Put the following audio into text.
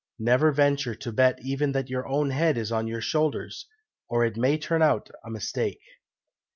Never venture to bet even that your own head is on your shoulders, or it may turn out a mistake."